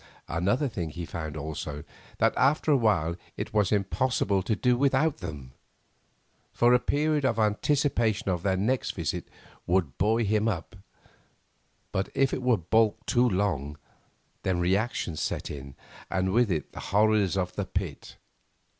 Another thing he found also—that after a while it was impossible to do without them. For a period the anticipation of their next visit would buoy him up; but if it were baulked too long, then reaction set in, and with it the horrors of the Pit.